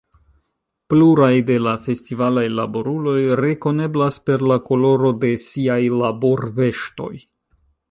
Pluraj de la festivalaj laboruloj rekoneblas per la koloro de siaj laborveŝtoj.